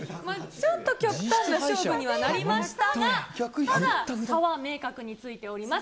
ちょっと極端な勝負にはなりましたが、ただ、差は明確についております。